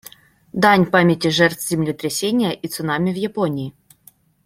Дань памяти жертв землетрясения и цунами в Японии.